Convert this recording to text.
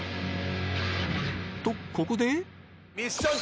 とここで